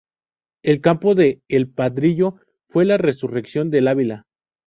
El Campo de El Pradillo fue la resurrección del Ávila.